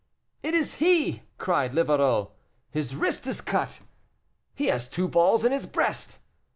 "It is he," cried Livarot. "His wrist is cut." "He has two balls in his breast."